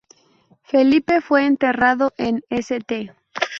Felipe fue enterrado en St.